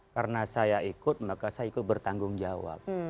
karena saya ikut maka saya ikut bertanggung jawab